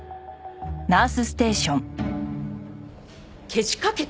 けしかけた？